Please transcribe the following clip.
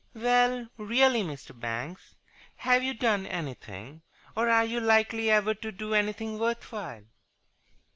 "Well, really, Mr. Banks, have you done anything, or are you likely ever to do anything worth while?"